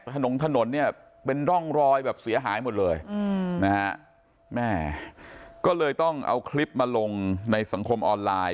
ถนนถนนเนี่ยเป็นร่องรอยแบบเสียหายหมดเลยอืมนะฮะแม่ก็เลยต้องเอาคลิปมาลงในสังคมออนไลน์